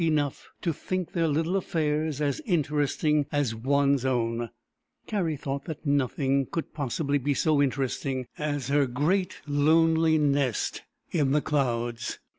A.B. 65 E 66 THE EMU WHO WOULD DANCE enough to think their little affairs as interesting as one's own. Kari thought that nothing could possibly be so interesting as her great lonely nest in the clouds.